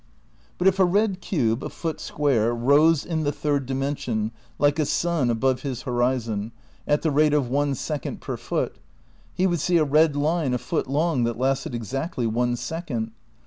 But if a red cube a foot square rose in the third dimension like a sun above his horizon, at the rate of one second per foot, he would see a red line a foot long that lasted exactly one second.